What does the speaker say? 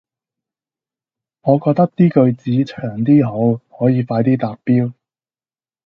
我覺得啲句子長啲好，可以快啲達標